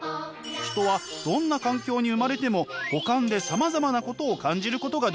人はどんな環境に生まれても五感でさまざまなことを感じることができます。